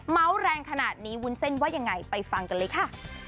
แรงขนาดนี้วุ้นเส้นว่ายังไงไปฟังกันเลยค่ะ